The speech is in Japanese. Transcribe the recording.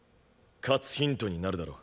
勝つヒントになるだろ。